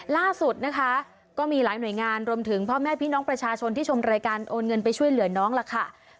ล่าสุดนะคะก็มีหลายหน่วยงานรวมถึงพ่อแม่พี่น้องประชาชนที่ชมรายการโอนเงินไปช่วยเหลือน้องล่ะค่ะ